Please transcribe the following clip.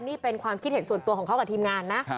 นี่เป็นความคิดเห็นส่วนตัวของเขากับทีมงานนะ